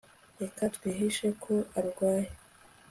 Reka twihishe ko arwaye